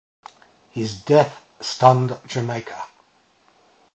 His death stunned Jamaica.